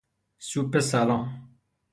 سوپ سلام